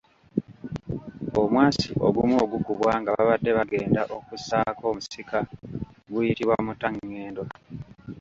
Omwasi ogumu ogukubwa nga babadde bagenda okussaako omusika guyitibwa muttangendo.